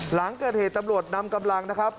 หลังเกิดเหตุตำรวจนำกำลังนะครับ